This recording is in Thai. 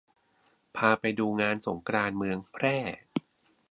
พาไปดูสงกรานต์เมืองแพร่